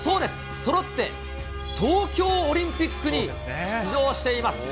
そろって東京オリンピックに出場しています。